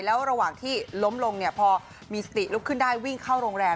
แล้วระหว่างที่ล้มลงพอมีสติลุกขึ้นได้วิ่งเข้าโรงแรม